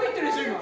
今。